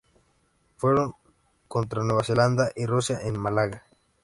Fueron contra Nueva Zelanda y Rusia en Málaga.